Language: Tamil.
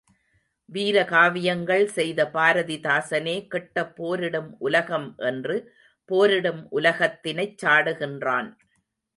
வீரகாவியங்கள் செய்த பாரதிதாசனே கெட்ட போரிடும் உலகம் என்று போரிடும் உலகத்தினைச் சாடுகின்றான்.